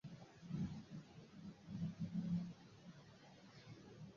Ikidage cyerekana imisatsi mugufi gishingiye kumadirishya yizuba